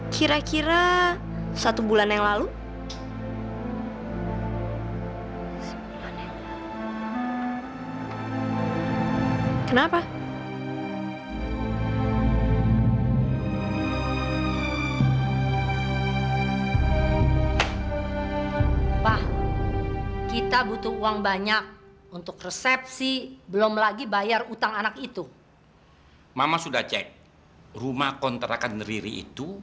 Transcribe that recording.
kira kira satu bulan yang lalu